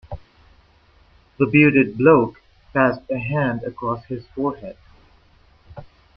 The bearded bloke passed a hand across his forehead.